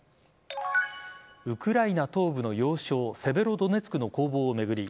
ウクライナ東部の要衝セベロドネツクの攻防を巡り